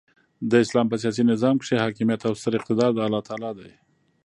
د اسلام په سیاسي نظام کښي حاکمیت او ستر اقتدار د االله تعالى دي.